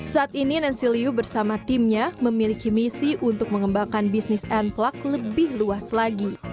saat ini nensilu bersama timnya memiliki misi untuk mengembangkan bisnis n plug lebih luas lagi